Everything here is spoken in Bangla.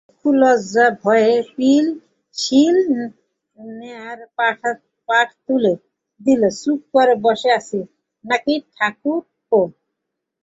চক্ষুলজার ভয়েই শিল-নোড়ার পাঠ তুলে দিয়ে চুপ করে বসে আছি নাকি ঠাকুরপো?